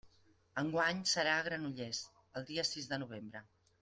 Enguany serà a Granollers, el dia sis de novembre.